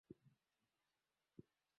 ni kauli yake mchambuzi wa masuala ya siasa